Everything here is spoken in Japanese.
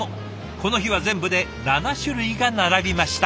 この日は全部で７種類が並びました。